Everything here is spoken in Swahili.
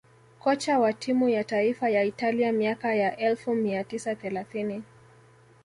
kocha wa timu ya taifa ya Italia miaka ya elfu moja mia tisa thelathini